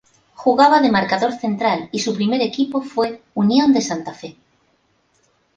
Jugaba de marcador central y su primer equipo fue Unión de Santa Fe.